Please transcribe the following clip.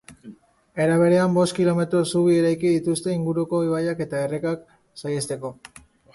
Era berean, bost kilometro zubi eraikiko dituzte inguruko ibaiak eta errekak saihesteko.